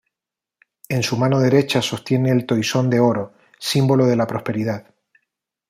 En su mano derecha sostiene el Toisón de Oro, símbolo de la prosperidad.